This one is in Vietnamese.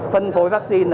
phân phối vaccine